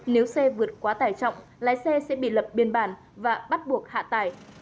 nếu xe vượt quá tải trọng lái xe sẽ bị lập biên bản và bắt buộc hạ tải